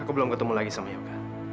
aku belum ketemu lagi sama yoga